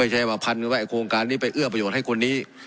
ใช้มาพันไว้ไอโครงการนี้ไปเอื้อประโยชน์ให้คนนี้